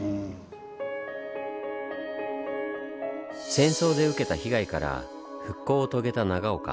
戦争で受けた被害から復興を遂げた長岡。